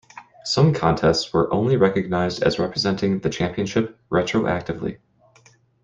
Some contests were only recognised as representing the Championship retroactively.